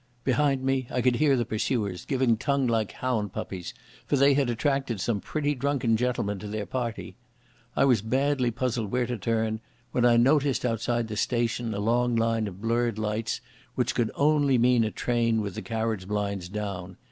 Behind me I could hear the pursuers, giving tongue like hound puppies, for they had attracted some pretty drunken gentlemen to their party. I was badly puzzled where to turn, when I noticed outside the station a long line of blurred lights, which could only mean a train with the carriage blinds down.